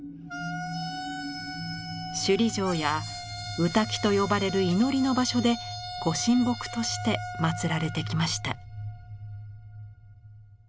首里城やウタキと呼ばれる祈りの場所で御神木としてまつられてきました。